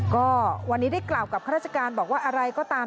ก็วันนี้ได้กล่าวกับข้าราชการบอกว่าอะไรก็ตาม